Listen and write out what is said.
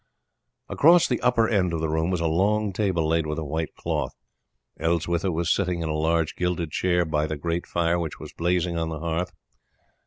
Across the upper end of the room was a long table laid with a white cloth. Elswitha was sitting in a large gilded chair by the great fire which was blazing on the hearth.